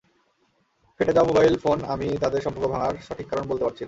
ফেটে যাওয়া মোবাইল ফোনআমি তাদের সম্পর্ক ভাঙার সঠিক কারণ বলতে পারছি না।